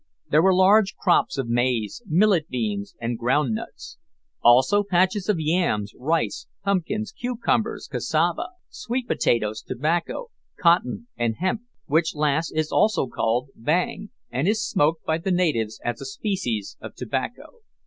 There were large crops of maize, millet beans, and ground nuts; also patches of yams, rice, pumpkins, cucumbers, cassava, sweet potatoes, tobacco, cotton, and hemp, which last is also called "bang," and is smoked by the natives as a species of tobacco.